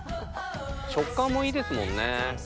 食感もいいですもんね。